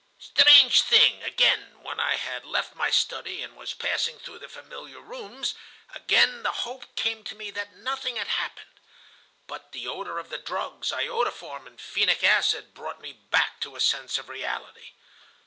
"Strange thing! Again, when I had left my study, and was passing through the familiar rooms, again the hope came to me that nothing had happened. But the odor of the drugs, iodoform and phenic acid, brought me back to a sense of reality.